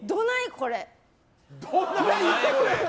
これ！